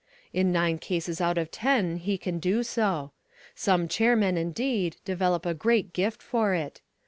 In nine cases out of ten he can do so. Some chairmen, indeed, develop a great gift for it.